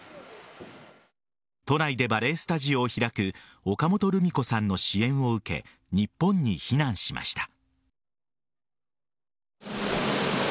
都内でバレエスタジオを開く岡本るみ子さんの支援を受け日本に避難しました。